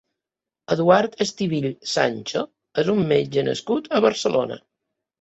Eduard Estivill Sancho és un metge nascut a Barcelona.